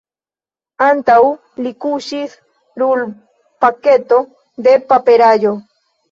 Antaŭ li kuŝis rulpaketo de paperaĵo.